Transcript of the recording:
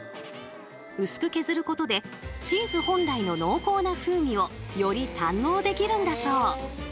薄く削ることでチーズ本来の濃厚な風味をより堪能できるんだそう。